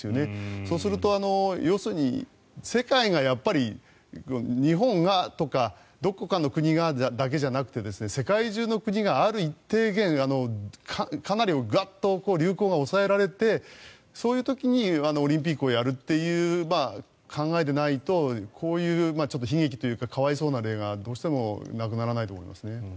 そうすると、要するに日本がとかどこかの国がだけじゃなくて世界中の国が、ある一定かなりガッと流行が抑えられてそういう時にオリンピックをやるという考えでないとこういう悲劇というか可哀想な例がどうしてもなくならないと思いますね。